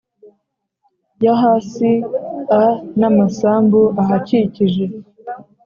Yahasi a n amasambu ahakikije